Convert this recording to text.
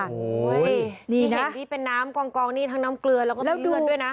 นี่เห็นนี่เป็นน้ำกองนี่ทั้งน้ำเกลือแล้วก็แล้วเดือนด้วยนะ